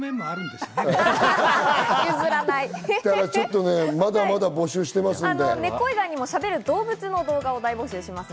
ちょっとまだまだ募集してますんで。